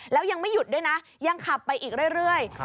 แล้วยังไม่หยุดด้วยนะยังขับไปอีกเรื่อย